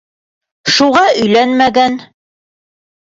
Шуға өйләнмәгән.